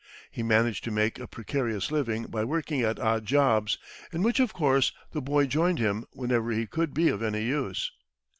He managed to make a precarious living by working at odd jobs, in which, of course, the boy joined him whenever he could be of any use.